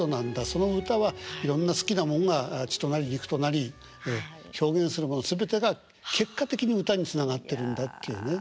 その歌はいろんな好きなもんが血となり肉となり表現するもの全てが結果的に歌につながってるんだっていうね。